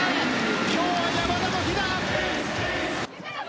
今日は山田の日だ。